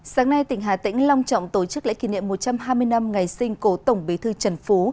sáng nay tỉnh hà tĩnh long trọng tổ chức lễ kỷ niệm một trăm hai mươi năm ngày sinh cố tổng bế thư trần phú